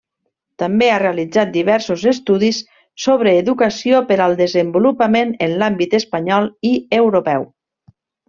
També ha realitzat diversos estudis sobre educació per al desenvolupament en l'àmbit espanyol i europeu.